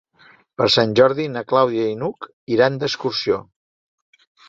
Per Sant Jordi na Clàudia i n'Hug iran d'excursió.